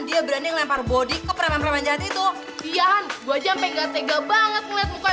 dia berani lempar body ke peraman peraman jahat itu iyaan gua jampe gak tega banget ngeliat mukanya